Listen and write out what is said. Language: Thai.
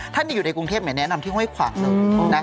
ถ้ามีอยู่ในกรุงเทพแนะนำที่ห้วยขวางเลย